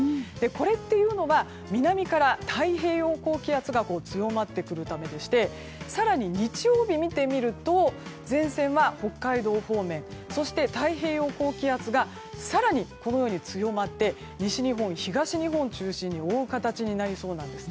これは南から太平洋高気圧が強まってくるためでして更に、日曜日を見てみると前線は北海道方面で更に、太平洋高気圧がこのように強まって西日本、東日本を中心に覆う形となりそうです。